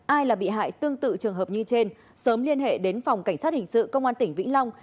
ai là bị hại tương tự trường hợp như trên sớm liên hệ đến phòng cảnh sát hình sự công an tỉnh vĩnh long